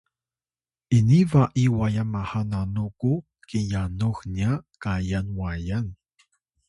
ini ba’iy wayan maha nanu ku kinyanux nya kayan wayan